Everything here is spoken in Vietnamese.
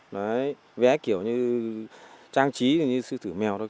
đấy vé kiểu như trang trí là như sư tử mèo thôi